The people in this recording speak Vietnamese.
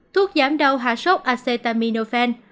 thuốc giảm đau hạ sốt acetaminophen